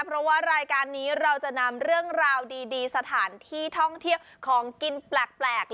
เพราะว่ารายการนี้เราจะนำเรื่องราวดีสถานที่ท่องเที่ยวของกินแปลก